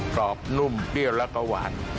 กรอบนุ่มเปรี้ยวแล้วก็หวาน